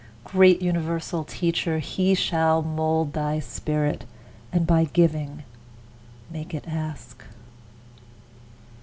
Great universal Teacher! he shall mould Thy spirit, and by giving make it ask.